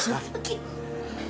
kenapa mereka ada disini om jin